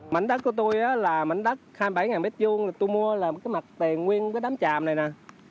mảnh đất của tôi là mảnh đất hai mươi bảy m hai tôi mua là mặt tiền nguyên cái đám chàm này nè